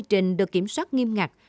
các quy trình được kiểm soát nghiêm ngặt